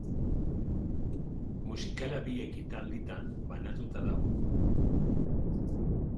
Musikala bi ekitalditan banatuta dago.